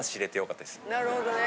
なるほどね。